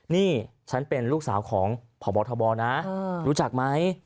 นี่ฉันเป็นลูกสาวของพบทบนะรู้จักไหม